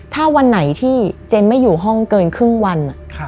ถ้าวันไหนที่เจมส์ไม่อยู่ห้องเกินครึ่งวัน